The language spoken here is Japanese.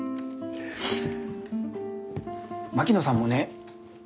槙野さんもね。